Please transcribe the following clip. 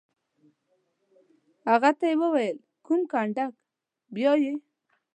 هغه ته یې وویل: کوم کنډک؟ بیا یې.